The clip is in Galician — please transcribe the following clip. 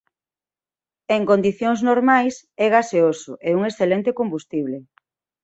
En condicións normais é gaseoso e un excelente combustible.